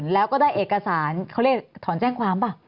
แล้วก็ได้เอกสารเขาเรียกถอนแจ้งความป่ะ